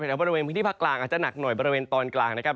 แถวบริเวณพื้นที่ภาคกลางอาจจะหนักหน่อยบริเวณตอนกลางนะครับ